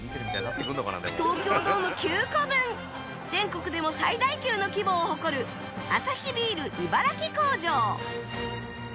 東京ドーム９個分全国でも最大級の規模を誇るアサヒビール茨城工場